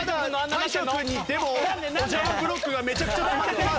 大昇君におじゃまブロックがめちゃくちゃたまってます。